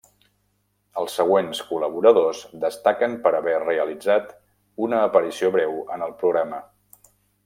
Els següents col·laboradors destaquen per haver realitzat una aparició breu en el programa.